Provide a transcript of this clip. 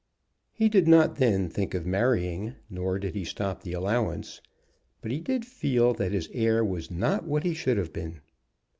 He did not then think of marrying, nor did he stop the allowance; but he did feel that his heir was not what he should have been.